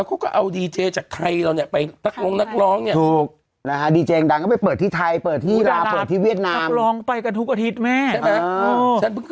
แม้ฉันพึ่งเคยเห็นไปเปิดหูเปิดตาไงรักรองตึกแม่แต่